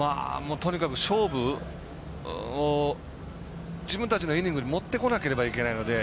とにかく勝負を自分たちのイニングに持ってこなければいけないので。